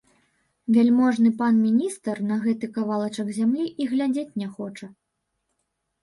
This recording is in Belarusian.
Вяльможны пан міністр на гэты кавалачак зямлі і глядзець не хоча.